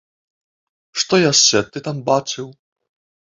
Што яшчэ ты там бачыў?